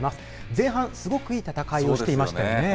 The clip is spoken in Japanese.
前半、すごくいい戦いをしていましたよね。